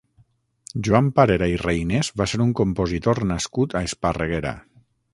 Joan Parera i Reinés va ser un compositor nascut a Esparreguera.